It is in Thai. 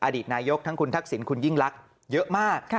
อดีตนายกทั้งคุณทักษิณคุณยิ่งลักษณ์เยอะมาก